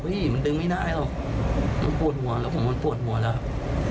มันดึงไม่ได้หรอกมันปวดหัวแล้วผมมันปวดหัวแล้ว